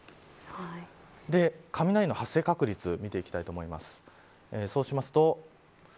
雷の発生確率を見ていきたいと思います。